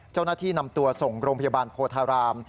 เจ้าหน้าที่นำตัวส่งโรงพยาบาลโพธาราม